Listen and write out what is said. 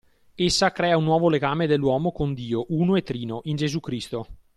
Essa crea un nuovo legame dell'uomo con Dio uno e trino, in Gesù Cristo.